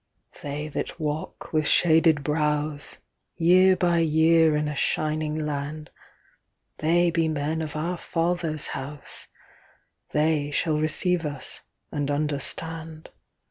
They that walk with shaded brows, Year by year in a shining land, They be men of our Father's House, They shall receive us and understand.